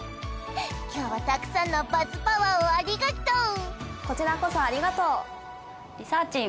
今日はたくさんのバズパワーをありがとうこちらこそありがとうリサーちん